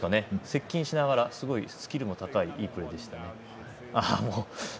接近しながらすごいスキルの高いいいプレーでしたね。